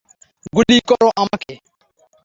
গুলি করো আমাকে!